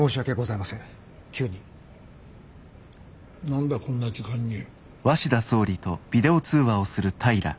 「何だこんな時間に」。